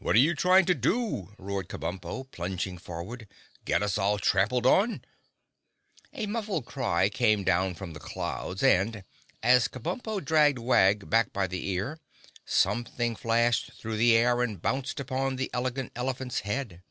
"What are you trying to do?" roared Kabumpo, plunging forward. "Get us all trampled on?" A muffled cry came down from the clouds and, as Kabumpo dragged Wag back by the ear, something flashed through the air and bounced upon the Elegant Elephant's head.